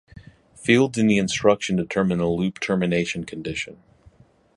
Fields in the instruction determine the loop termination condition.